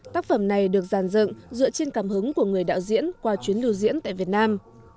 tác phẩm này được giàn dựng dựa trên cảm hứng của người đạo diễn qua chuyến lưu diễn tại việt nam